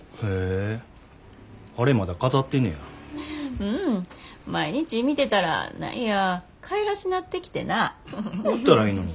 うん毎日見てたら何やかいらしなってきてな。売ったらええのに。